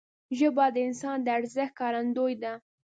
ژبه د انسان د ارزښت ښکارندوی ده